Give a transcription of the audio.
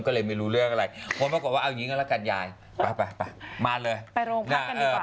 ก็เลยไม่รู้เรื่องอะไรคนปรากฏว่าเอาอย่างงี้กันละกันยายไปไปไปมาเลยไปโรงพักกันดีกว่า